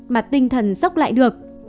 mà tinh thần sốc lại được